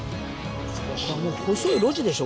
細い路地でしょ